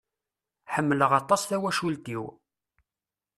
Ḥemmeleq aṭas tawacult-iw.